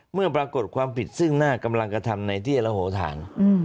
เมื่อปรากฏเว้นเลิกมีสีหน้าของกำลังกระทำในที่ระโหท่าน